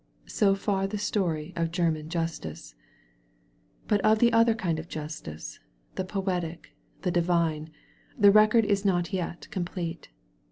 So far the story of German justice. But of the other kind of justice — ^the poetic, the Divine — ^the record is not yet complete.